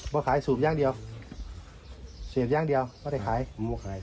ว่าขายสูบอย่างเดียวเสพย่างเดียวไม่ได้ขายหมวกขาย